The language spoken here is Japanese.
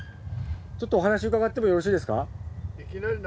ちょっとお話伺ってもよろしいですか？